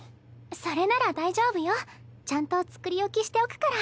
それなら大丈夫よちゃんと作り置きしておくから。